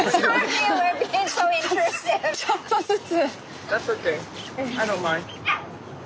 ちょっとずつ。